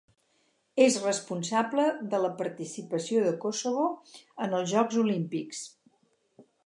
És responsable de la participació de Kosovo en els Jocs Olímpics.